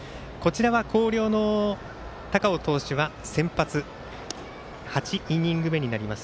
広陵の高尾投手は先発、８イニング目になります。